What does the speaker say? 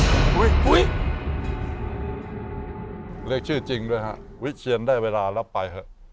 เรียกชื่อจริงด้วยฮะวิเชียนได้เวลาแล้วไปเถอะ